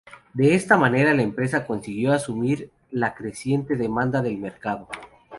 De esta manera la empresa consiguió asumir la creciente demanda del mercado.